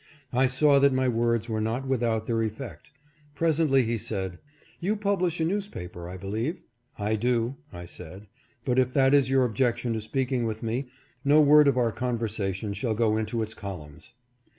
I saw that my words were not without their effect. Presently he said, " You pub lish a newspaper, I believe ?" "I do," I said, " but if that is your objection to speaking with me, no word or our conversation shall go into its columns."